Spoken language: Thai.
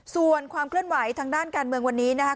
ส่วนความเคลื่อนไหวทางด้านการเมืองวันนี้นะครับ